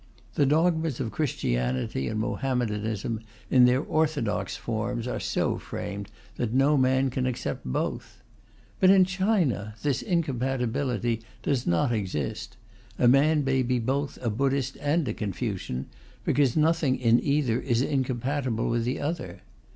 The dogmas of Christianity and Mohammedanism, in their orthodox forms, are so framed that no man can accept both. But in China this incompatibility does not exist; a man may be both a Buddhist and a Confucian, because nothing in either is incompatible with the other.